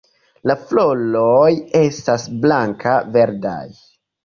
La floroj estas blanka-verdaj.